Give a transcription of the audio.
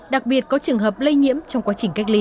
đặc biệt có trường hợp lây nhiễm trong quá trình cách ly